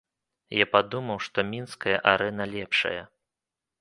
Я падумаў, што мінская арэна лепшая.